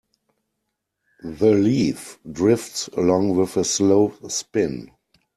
The leaf drifts along with a slow spin.